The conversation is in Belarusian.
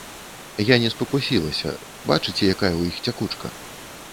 Я не спакусілася, бачыце, якая ў іх цякучка?